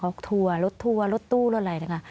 เขาทัวร์รถทัวร์รถตู้อะไรเลยค่ะ